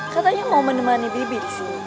katanya mau menemani bibi